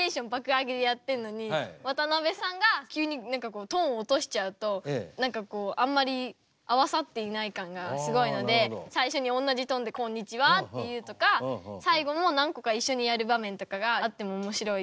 上げでやってるのに渡辺さんが急にトーン落としちゃうと何かこうあんまり合わさっていない感がすごいので最初におんなじトーンで「こんにちは！」って言うとか最後も何個か一緒にやる場面とかがあってもおもしろいかなと。